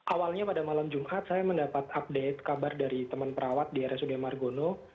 awalnya pada malam jumat saya mendapat update kabar dari teman perawat di rsud margono